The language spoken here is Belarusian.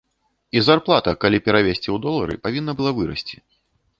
І зарплата, калі перавесці ў долары, павінна была вырасці.